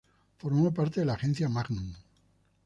Formó parte de la agencia Magnum.